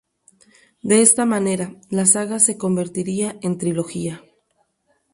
De esta manera, la saga se convertirá en trilogía.